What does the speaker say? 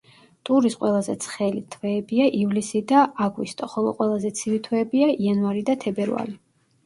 ტურის ყველაზე ცხელი თვეებია ივლისი და აგვისტო, ხოლო ყველაზე ცივი თვეებია იანვარი და თებერვალი.